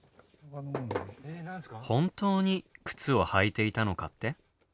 本当に靴を履いていたのかって？